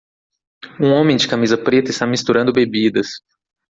Um homem de camisa preta está misturando bebidas